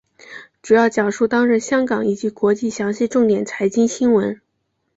主要讲述当日香港以及国际详细重点财经新闻。